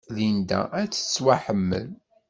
Linda ad tettwaḥemmel.